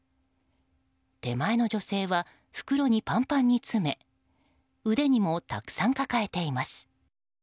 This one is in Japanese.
手前の女性は袋にパンパンに詰め腕にもたくさん抱えています。